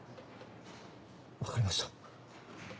わかりました。